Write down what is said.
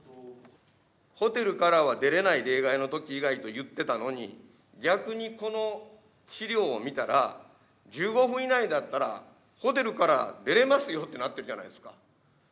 ホテルからは出れない、例外のとき以外と言ってたのに、逆にこの資料を見たら、１５分以内だったら、ホテルから出れますよってなってるじゃないですか。